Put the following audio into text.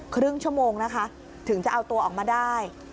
ครึ่งชั่วโมงนะคะถึงจะเอาตัวออกมาได้